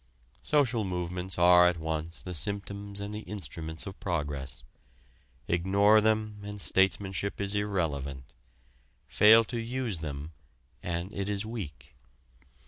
Social movements are at once the symptoms and the instruments of progress. Ignore them and statesmanship is irrelevant; fail to use them and it is weak.